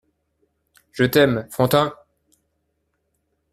Je t’aime, Frontin !